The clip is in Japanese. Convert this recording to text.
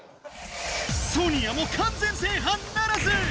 ソニアも完全制覇ならず！